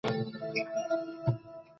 اسلام د هر انسان د ژوند خوندیتوب غواړي.